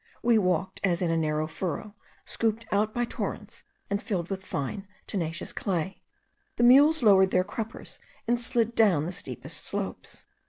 We walked as in a narrow furrow, scooped out by torrents, and filled with fine tenacious clay. The mules lowered their cruppers and slid down the steepest slopes.